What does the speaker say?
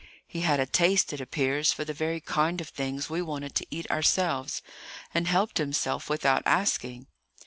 He had a taste, it appears, for the very kind of things we wanted to eat ourselves, and helped himself without asking.